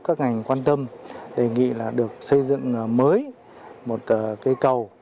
các cấp các ngành quan tâm đề nghị là được xây dựng mới một cây cầu